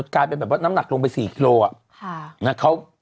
กลายเป็นแบบว่าน้ำหนักลงไป๔กิโลเมื่อกี้